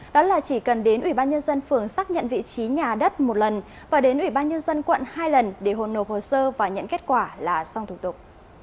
đó là chỉ cần đến ủy ban nhân dân phường xác nhận vị trí nhà đất một lần và đến ủy ban nhân dân quận hai lần để hồn nộp hồ sơ và nhận kết quả là xong thủ tục